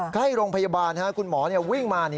ใกล้โรงพยาบาลคุณหมอวิ่งมา